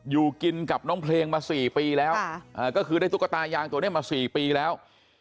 อยู่กินกับน้องเพลงมา๔ปีแล้วก็คือได้ตุ๊กตายางตัวนี้มา๔ปีแล้ว